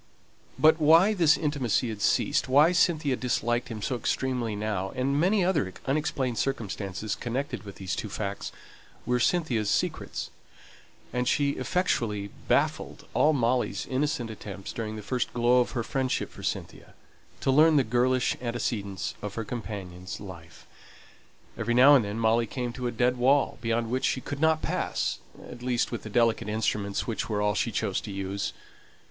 But why this intimacy had ceased, why Cynthia disliked him so extremely now, and many other unexplained circumstances connected with these two facts, were Cynthia's secrets; and she effectually baffled all Molly's innocent attempts during the first glow of her friendship for Cynthia, to learn the girlish antecedents of her companion's life. Every now and then Molly came to a dead wall, beyond which she could not pass at least with the delicate instruments which were all she chose to use.